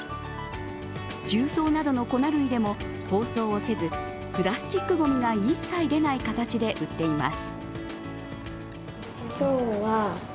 重曹などの粉類でも包装をせずプラスチックごみが一切出ない形で売っています。